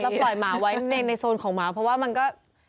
ปล่อยหมาไว้ในโซนของหมาเพราะว่ามันก็